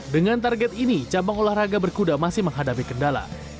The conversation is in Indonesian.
dengan target ini cabang olahraga berkuda masih menghadapi kendala